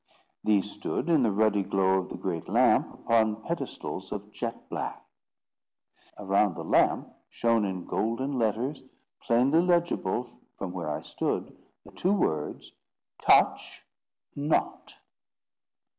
These stood, in the ruddy glow of the great lamp, upon pedestals of jet black. Around the lamp shone in golden letters, plainly legible from where I stood, the two words— TOUCH NOT!